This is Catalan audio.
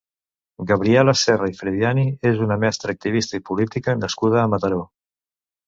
Gabriela Serra i Frediani és una mestra, activista i política nascuda a Mataró.